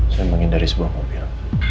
saya menghindari sebuah mobil